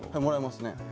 もらいますね。